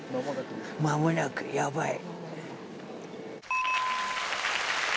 まもなくやばい。